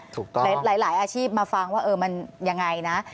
ถูกต้องอาชีพมาฟังว่ามันยังไงนะ